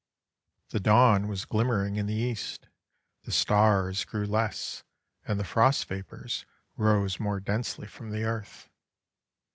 The dawn was glimmering in the east ; the stars grew less, and the frost vapours rose more densely from the earth.